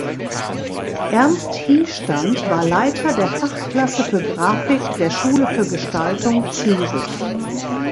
Ernst Hiestand war Leiter der Fachklasse für Grafik der Schule für Gestaltung Zürich.